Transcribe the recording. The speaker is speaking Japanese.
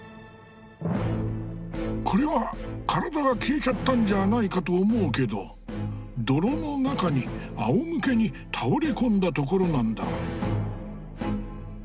これは体が消えちゃったんじゃないかと思うけど泥の中にあおむけに倒れ込んだところなんだ。